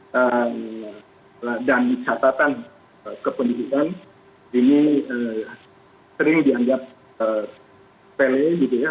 dan catatan kependidikan ini sering dianggap pele gitu ya